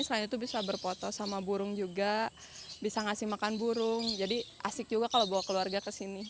selain itu bisa berfoto sama burung juga bisa ngasih makan burung jadi asik juga kalau bawa keluarga ke sini